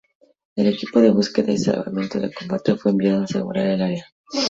El equipo de búsqueda y salvamento de combate fue enviado a asegurar el área.